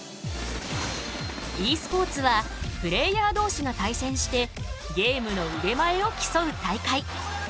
ｅスポーツはプレーヤーどうしが対戦してゲームのうでまえを競う大会。